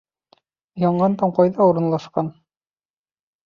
Янғантау ҡайҙа урынлашҡан?